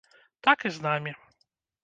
Так і з намі.